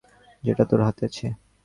যেটা তোর হাতে আছে।